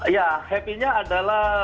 ya happy nya adalah